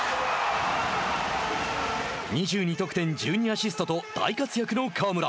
２２得点１２アシストと大活躍の河村。